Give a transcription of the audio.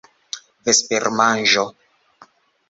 vespermanĝo